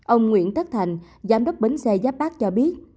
ông nguyễn thất thành giám đốc bến xe giáp bác cho biết